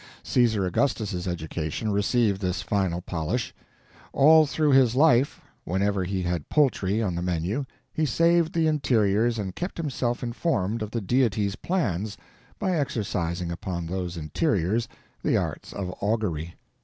Caesar Augustus's education received this final polish. All through his life, whenever he had poultry on the menu he saved the interiors and kept himself informed of the Deity's plans by exercising upon those interiors the arts of augury.